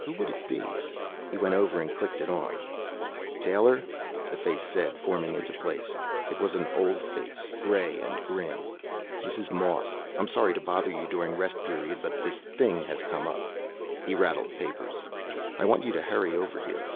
Who would it be? He went over and clicked it on. "Taylor?" the face said, forming into place. It was an old face, gray and grim. "This is Moss. I'm sorry to bother you during Rest Period, but this thing has come up." He rattled papers. "I want you to hurry over here."